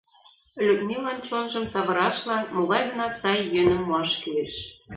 Людмилан чонжым савырашлан могай-гынат сай йӧным муаш кӱлеш.